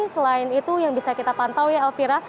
selain itu yang bisa kita pantau ya elvira